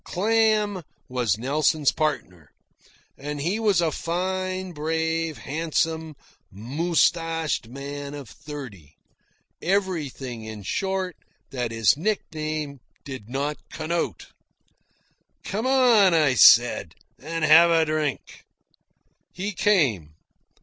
Clam was Nelson's partner, and he was a fine, brave, handsome, moustached man of thirty everything, in short, that his nickname did not connote. "Come on," I said, "and have a drink." He came.